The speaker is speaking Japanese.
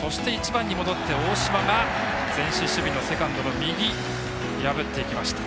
１番に戻って大島が前進守備のセカンドの右を破っていきました。